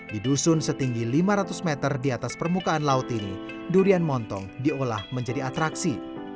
di dusun setinggi lima ratus meter di atas permukaan laut ini durian montong diolah menjadi atraksi